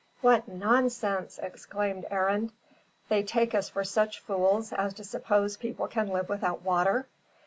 "What nonsense!" exclaimed Arend. "They take us for such fools as to suppose people can live without water!